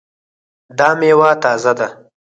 دا میوه تازه ده؟